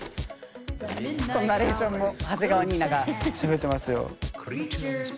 ナレーションも長谷川ニイナがしゃべってますよ。